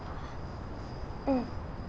うん。